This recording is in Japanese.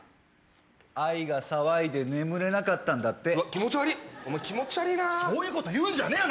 愛が騒いで眠れなかったんだってうわ気持ちわりっお前気持ち悪いなそういうこと言うんじゃねえよ